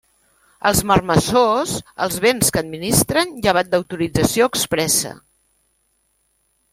Els marmessors, els béns que administren, llevat d'autorització expressa.